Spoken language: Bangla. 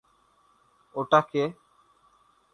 ওটা কী?